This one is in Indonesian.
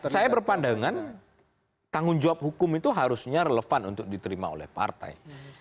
saya berpandangan tanggung jawab hukum itu harusnya relevan untuk diterima oleh partai